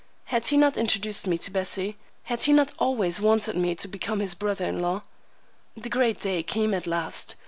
Had he not introduced me to Bessie? Had he not always wanted me to become his brother in law? The great day came at last.